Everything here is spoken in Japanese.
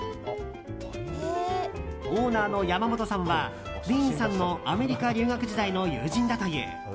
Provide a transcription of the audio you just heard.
オーナーの山本さんはディーンさんのアメリカ留学時代の友人だという。